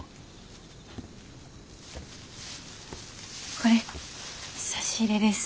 これ差し入れです。